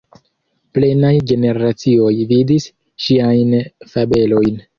Plenaj generacioj vidis ŝiajn fabelojn.